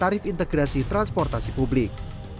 tarif integrasi transportasi publik